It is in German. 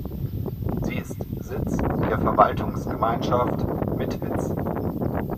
Sie ist Sitz der Verwaltungsgemeinschaft Mitwitz.